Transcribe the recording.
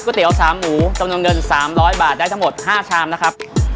กูเตี๋๋ยว๓หมูจำนวน๓๐๐บาทได้ทั้งหมด๕ชามนะฮะ